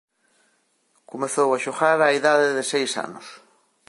Comezou a xogar á idade de seis anos.